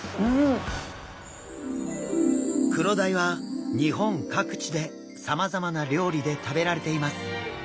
クロダイは日本各地でさまざまな料理で食べられています。